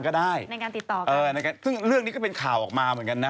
อืมและเรื่องนี้ก็เป็นข่าวออกมาเหมือนกันนะ